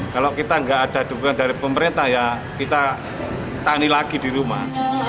kalau kita nggak ada dukungan dari pemerintah ya kita tani lagi di rumah